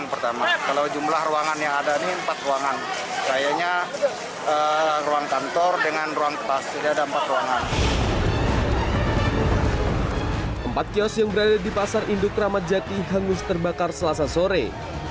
empat kios yang berada di pasar induk ramadjati hangus terbakar selasa sore